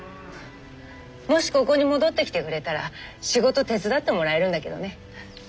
もしここに戻ってきてくれたら仕事手伝ってもらえるんだけどね。